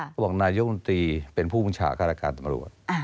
เขาบอกนายกมนตรีเป็นผู้บัญชาการตำรวจ